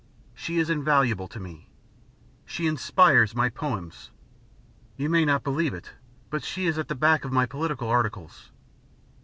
She is invaluable to me. She inspires my poems. You may not believe it, but she is at the back of my political articles.